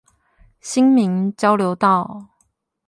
新民交流道